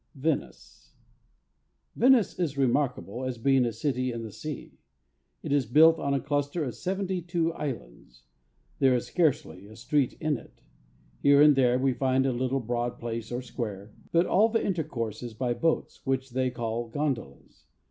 45. Venice. Venice is remarkable, as being a city in the sea. It is built on a cluster of 72 islands. There is scarcely a street in it. Here and there we find a little broad place or scptare; but all the inter¬ course is by boats, which they call gondolas.